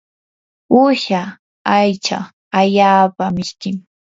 uusha aycha allaapa mishkim.